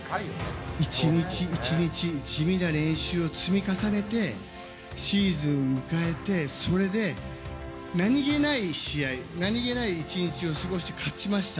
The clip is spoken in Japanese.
一日一日、地味な練習を積み重ねて、シーズンを迎えて、それで何気ない試合、何気ない一日を過ごして勝ちました。